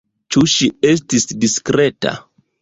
Ĉu ŝi estis diskreta?